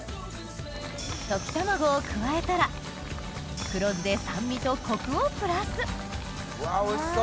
溶き卵を加えたら黒酢で酸味とコクをプラスわぁおいしそう！